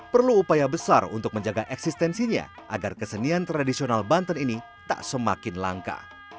perlu upaya besar untuk menjaga eksistensinya agar kesenian tradisional banten ini tak semakin langka